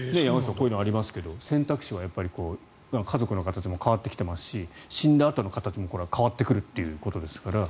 こういうのがありますが選択肢は、家族の形も変わってきていますし死んだあとの形も変わってくるということですから。